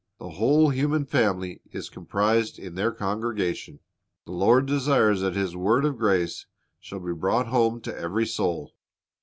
The whole human family is comprised in their congregation. The Lord desires that His word of grace shall be brought home to every soul.